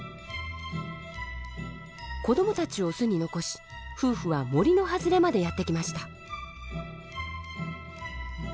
子供たちを巣に残し夫婦は森の外れまでやって来ました。